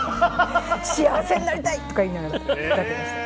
幸せになりたい！とか言いながら歌ってました。